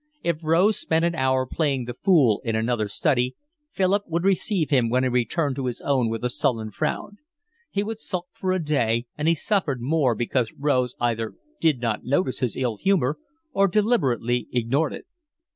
If Rose spent an hour playing the fool in another study, Philip would receive him when he returned to his own with a sullen frown. He would sulk for a day, and he suffered more because Rose either did not notice his ill humour or deliberately ignored it.